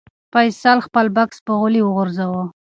فیصل خپل بکس په غولي وغورځاوه.